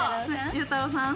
佑太郎さん。